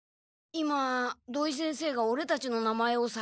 今土井先生がオレたちの名前をさけんだ。